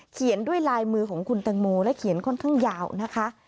เขียนด้วยลายมือของคุณตังโมและเขียนค่อนข้างยาวนะคะ